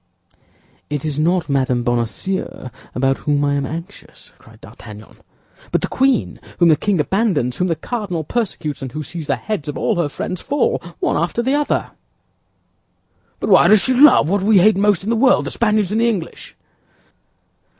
"It is not Madame Bonacieux about whom I am anxious," cried D'Artagnan, "but the queen, whom the king abandons, whom the cardinal persecutes, and who sees the heads of all her friends fall, one after the other." "Why does she love what we hate most in the world, the Spaniards and the English?"